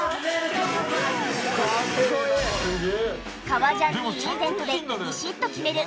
革ジャンにリーゼントでビシッと決める